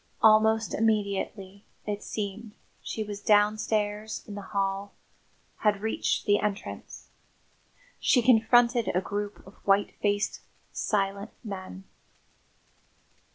Almost immediately, it seemed, she was downstairs in the hall, had reached the entrance. She confronted a group of white faced, silent men.